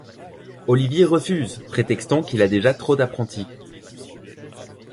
Olivier refuse, prétextant qu'il a déjà trop d'apprentis.